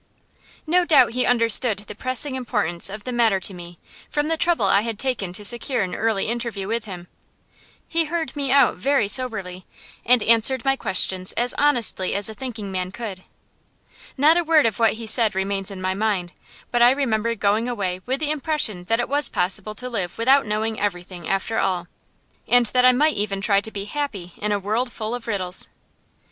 No doubt he understood the pressing importance of the matter to me, from the trouble I had taken to secure an early interview with him. He heard me out very soberly, and answered my questions as honestly as a thinking man could. Not a word of what he said remains in my mind, but I remember going away with the impression that it was possible to live without knowing everything, after all, and that I might even try to be happy in a world full of riddles.